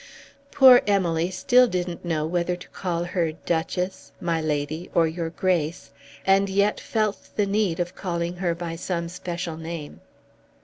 Poor Emily still didn't know whether to call her Duchess, my Lady, or your Grace, and yet felt the need of calling her by some special name.